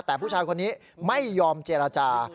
แต่ผู้ชายคนนี้ไม่ยอมเจรจา